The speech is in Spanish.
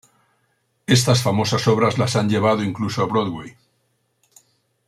Estas famosas obras la han llevado incluso a Broadway.